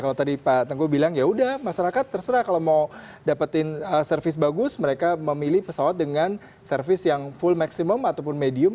kalau tadi pak tengku bilang yaudah masyarakat terserah kalau mau dapetin servis bagus mereka memilih pesawat dengan servis yang full maximum ataupun medium